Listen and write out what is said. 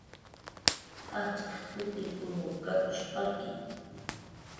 Jajch'iq kukiqkunw katush palki.